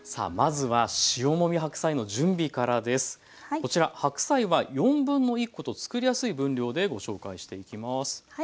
こちら白菜は1/4コとつくりやすい分量でご紹介していきます。